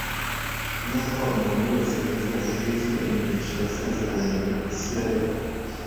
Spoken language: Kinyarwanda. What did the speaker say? no guha umuntu wese wizera Kristo imigisha yasezeraniwe Isirayeli.